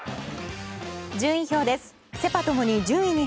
順位表です。